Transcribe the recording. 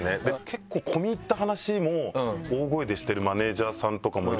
結構込み入った話も大声でしてるマネジャーさんとかもいるんですよ。